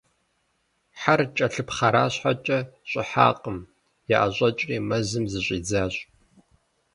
Хьэр кӏэлъыпхъэра щхьэкӏэ, щӏыхьакъым - яӏэщӏэкӏри, мэзым зыщӏидзащ.